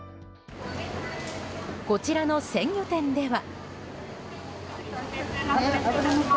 こちらの鮮魚店では。